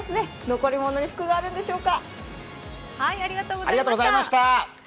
残り物には福があるんでしょうか。